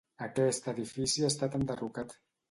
Aquest edifici ha estat enderrocat.